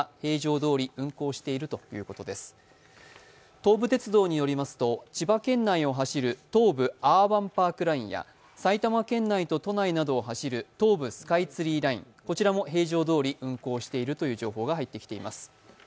東武鉄道によりますと千葉県内を走る東武アーバンパークラインや埼玉県内と都内などを走る東武スカイツリーラインも平常どおり運行しているという情報が入ってきています。